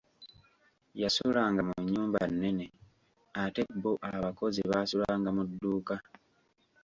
Yasulanga mu nnyumba nnene ate bo abakozi baasulanga mu dduuka.